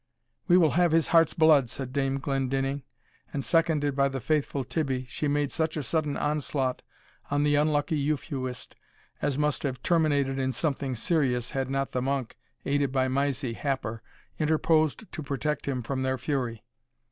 "We will have his heart's blood!" said Dame Glendinning; and, seconded by the faithful Tibbie, she made such a sudden onslaught on the unlucky Euphuist, as must have terminated in something serious, had not the monk, aided by Mysie Happer, interposed to protect him from their fury.